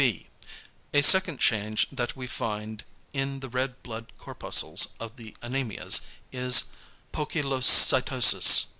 B. A second change that we find in the red blood corpuscles of the anæmias, is =poikilocytosis=.